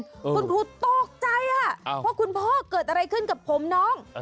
คุณครูตกใจว่าคุณพ่อเกิดอะไรขึ้นกับผมน้อง